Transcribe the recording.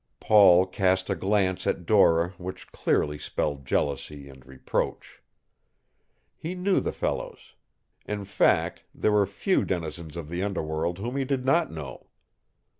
Paul cast a glance at Dora which clearly spelled jealousy and reproach. He knew the fellows. In fact, there were few denizens of the underworld whom he did not know.